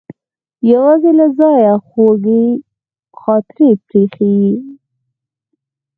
یوازې له ځانه خوږې خاطرې پرې ایښې.